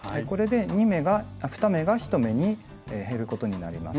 これで２目が１目に減ることになります。